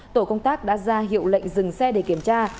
tổ công tác đã ra hiệu lệnh dừng xe để kiểm tra